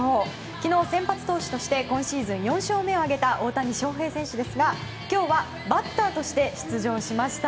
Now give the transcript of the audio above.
昨日先発投手として今シーズン４勝目を挙げた大谷翔平選手ですが今日はバッターとして出場しました。